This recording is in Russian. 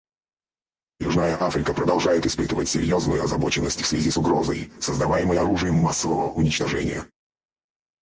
Южная Африка продолжает испытывать серьезную озабоченность в связи с угрозой, создаваемой оружием массового уничтожения.